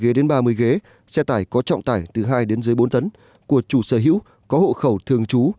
ghế đến ba mươi ghế xe tải có trọng tải từ hai đến dưới bốn tấn của chủ sở hữu có hộ khẩu thường trú